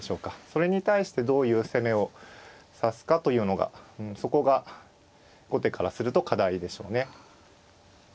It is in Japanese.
それに対してどういう攻めを指すかというのがそこが後手からすると課題でしょうね。